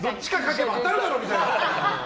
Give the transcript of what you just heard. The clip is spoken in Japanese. どっちか書けば当たるだろみたいな。